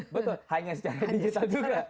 betul hanya secara digital juga